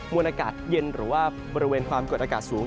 วนอากาศเย็นหรือว่าบริเวณความกดอากาศสูง